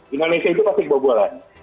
indonesia itu pasti kebobolan